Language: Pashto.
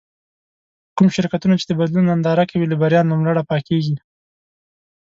کوم شرکتونه چې د بدلون ننداره کوي له بريا نوملړه پاکېږي.